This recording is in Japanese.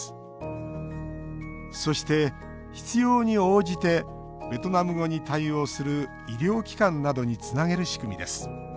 そして、必要に応じてベトナム語に対応する医療機関などにつなげる仕組みです。